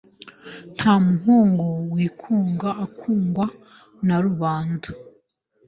nta mukungu wikunga, akungwa na rubanda.